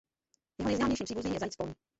Jeho nejznámějším příbuzným je zajíc polní.